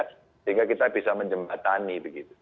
sehingga kita bisa menjembatani begitu